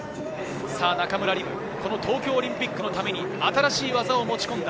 中村輪夢、この東京オリンピックのために新しい技を持ち込んだ。